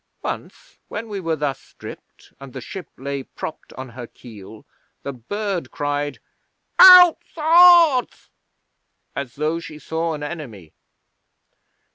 Once when we were thus stripped, and the ship lay propped on her keel, the bird cried, "Out swords!" as though she saw an enemy.